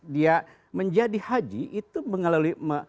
dia menjadi haji itu mengalami